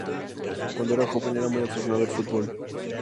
Cuando era joven, era muy aficionado al fútbol.